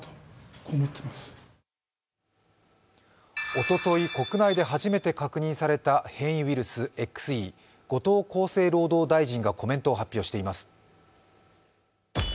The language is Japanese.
おととい、国内で初めて確認された変異ウイルスＸＥ後藤厚生労働大臣がコメントを発表しています。